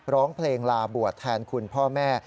ร้องเพลงลาบวชแทนคุณพ่อแม่